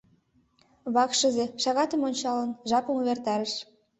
Вакшызе, шагатшым ончалын, жапым увертарыш.